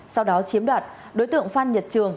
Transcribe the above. sau đó chiếm đoạt đối tượng phan nhật trường